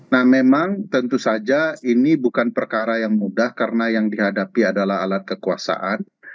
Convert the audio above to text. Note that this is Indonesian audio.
nah memang tentu saja ini bukan perkara yang mudah karena yang dihadapi adalah alat kekuasaan